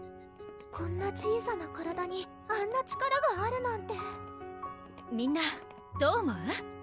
こんな小さな体にあんな力があるなんてみんなどう思う？